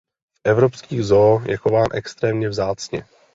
V evropských zoo je chován extrémně vzácně.